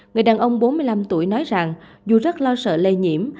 người đàn ông bốn mươi năm tuổi nói rằng dù rất lo sợ lây nhiễm